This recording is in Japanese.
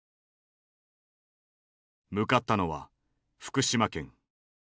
向かったのは福島県。